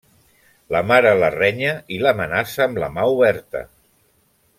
La mare la renya i l'amenaça amb la mà oberta.